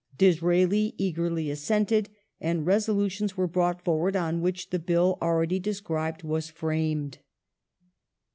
Disraeli eagerly assented, and resolutions were brought forward on which the Bill, already described,^ was framed.